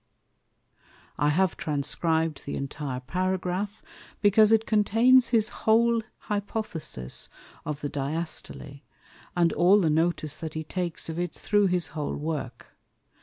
_ I have transcrib'd the intire Paragraph, because it contains his whole Hypothesis of the Diastole, and all the notice that he takes of it through his whole Work.